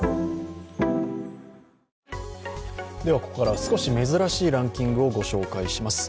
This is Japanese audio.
ここからは少し珍しいランキングをご紹介します。